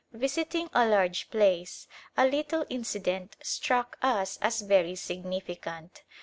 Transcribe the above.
Visiting a large place, a little incident struck us as very significant.